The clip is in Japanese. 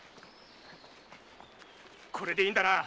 これでいいんだな！